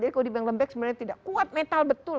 jadi kalau di bank lembek sebenarnya tidak kuat mental betul